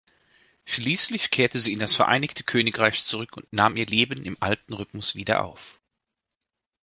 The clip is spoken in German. Schließlich kehrte sie in das Vereinigte Königreich zurück und nahm ihr Leben im alten Rhythmus wieder auf.